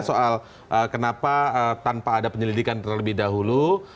soal kenapa tanpa ada penyelidikan terlebih dahulu